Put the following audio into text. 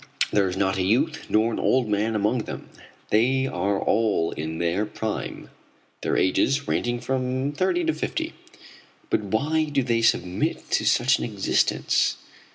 There is not a youth nor an old man among them. They are all in their prime, their ages ranging from thirty to fifty. But why do they submit to such an existence?